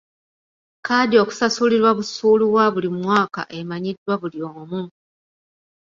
Kkaadi okusasulirwa busuulu wa buli mwaka emanyiddwa buli omu.